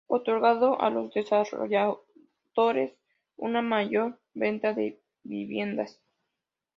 Otorgando a los desarrolladores una mayor venta de viviendas.